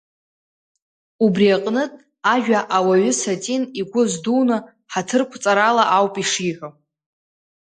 Убри аҟнытә, ажәа Ауаҩы Сатин игәы аздуны, ҳаҭырқәҵарала ауп ишиҳәо.